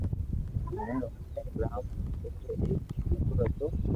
ھين او براھامن ار ايڪ ھي دآڪرو ھتو